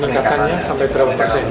peningkatannya sampai berapa persen